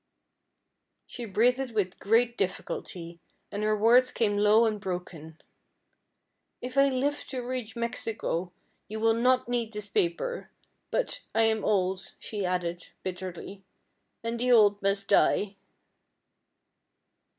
She breathed with great difficulty, and her words came low and broken: "If I live to reach Mexico, you will not need this paper; but I am old," she added, bitterly, "and the old must die."